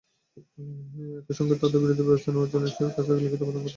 একই সঙ্গে তাঁর বিরুদ্ধে ব্যবস্থা নেওয়ার জন্য রেজিস্ট্রারের কাছে লিখিত আবেদন করে।